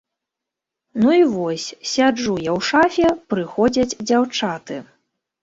Ну і вось, сяджу я ў шафе, прыходзяць дзяўчаты.